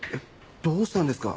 どうしたんですか？